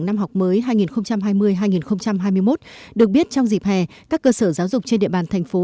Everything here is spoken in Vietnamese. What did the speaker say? năm học mới hai nghìn hai mươi hai nghìn hai mươi một được biết trong dịp hè các cơ sở giáo dục trên địa bàn thành phố